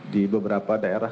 di beberapa daerah